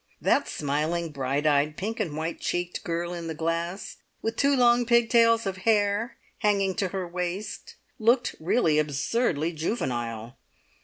That smiling, bright eyed, pink and white cheeked girl in the glass, with two long pigtails of hair hanging to her waist, looked really absurdly juvenile!